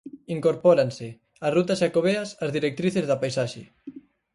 Incorpóranse as rutas xacobeas ás directrices da paisaxe.